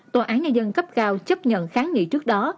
tòa án nhân dân cấp cao chấp nhận kháng nghị trước đó